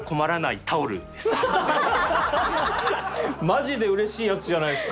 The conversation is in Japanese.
マジでうれしいやつじゃないですか！